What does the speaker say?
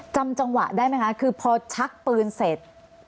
จำจังหวะได้ไหมคะคือพอชักปืนเสร็จ